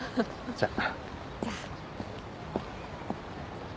じゃあ。